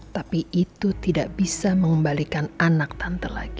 tapi itu tidak bisa mengembalikan anak tante lagi